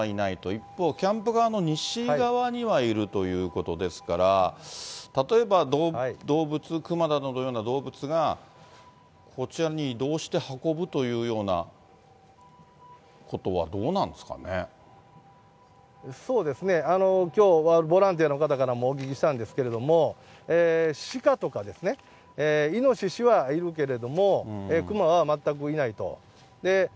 一方、キャンプ側の西側にはいるということですから、例えば動物、熊などのような動物が、こちらに移動して運ぶというようなそうですね、きょうはボランティアの方からもお聞きしたんですけれども、鹿とか、イノシシはいるけれども、熊は全く見ないと。